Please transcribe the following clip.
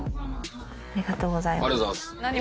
ありがとうございます。